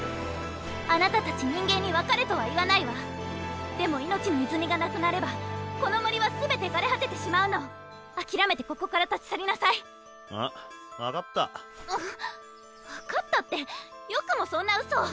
あなたたち人間に分かれとは言わないわでも「生命の泉」がなくなればこの森は全て枯れ果ててしまうの諦めてここから立ち去りなさいうん分かったえっ分かったってよくもそんなうそを！